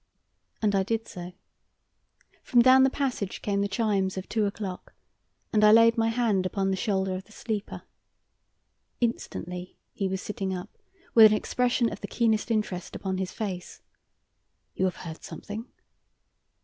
And I did so. From down the passage came the chimes of two o'clock, and I laid my hand upon the shoulder of the sleeper. Instantly he was sitting up, with an expression of the keenest interest upon his face. "You have heard something?"